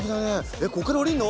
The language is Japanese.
えっここから下りるの？